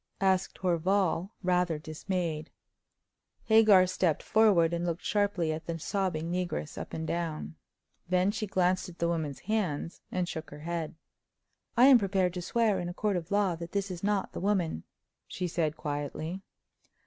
asked Horval, rather dismayed. Hagar stepped forward, and looked sharply at the sobbing negress up and down. Then she glanced at the woman's hands and shook her head. "I am prepared to swear in a court of law that this is not the woman," she said, quietly.